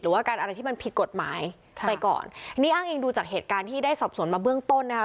ว่าการอะไรที่มันผิดกฎหมายค่ะไปก่อนนี่อ้างอิงดูจากเหตุการณ์ที่ได้สอบสวนมาเบื้องต้นนะคะ